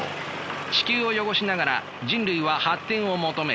地球を汚しながら人類は発展を求める。